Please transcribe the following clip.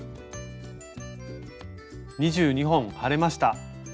２２本張れました。